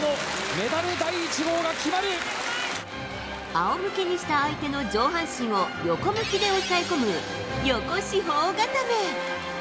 仰向けにした相手の上半身を横向きで抑え込む横四方固め。